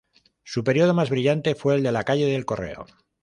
Su periodo más brillante fue el de la calle del Correo.